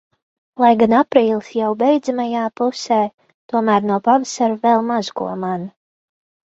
Lai gan aprīlis jau beidzamajā pusē, tomēr no pavasara vēl maz ko mana.